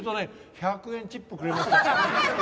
１００円チップくれました。